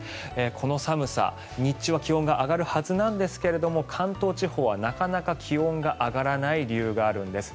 この寒さ、日中は気温が上がるはずなんですが関東地方はなかなか気温が上がらない理由があるんです。